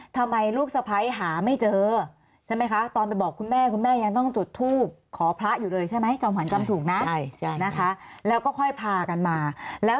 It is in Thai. ๒ทำไมลูกสะไพรหาไม่เจอใช่ไหมคะตอนไปบอกคุณแม่คุณแม่ยังต้องจุดทูพขอพระอยู่เลยใช่ไหมจอมขวัญจำถูกนะคะไหมนะคะแล้วก็ค่อยพากันมาแล้ว